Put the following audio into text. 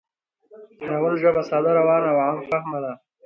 د ناول ژبه ساده، روانه او عام فهمه ده